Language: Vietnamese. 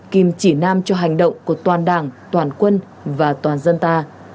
kim chỉ nam cho hành động của toàn đảng toàn quân và toàn dân ta